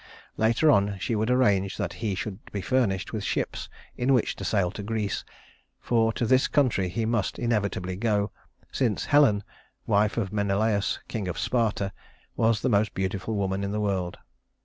Later on she would arrange that he should be furnished with ships in which to sail to Greece, for to this country he must inevitably go, since Helen, wife of Menelaus, king of Sparta, was the most beautiful woman in the world.